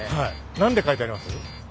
何て書いてあります？